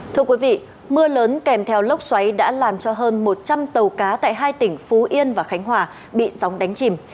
thưa quý vị mưa lớn kèm theo lốc xoáy đã làm cho hơn một trăm linh tàu cá tại hai tỉnh phú yên và khánh hòa bị sóng đánh chìm